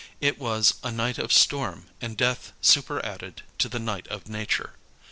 It was a night of storm and death superadded to the night of nature.